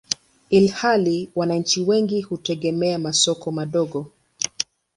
ilhali wananchi wengi hutegemea masoko madogo.